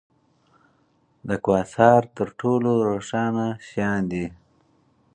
د کواسار تر ټولو روښانه شیان دي.